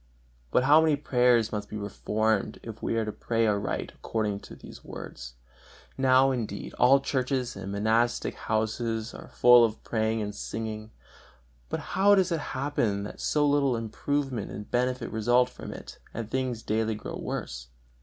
But how many prayers must be reformed, if we are to pray aright according to these words! Now, indeed, all churches and monastic houses are full of praying and singing, but how does it happen that so little improvement and benefit result from it, and things daily grow worse?